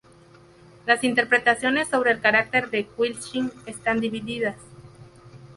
Las interpretaciones sobre el carácter de Quisling están divididas.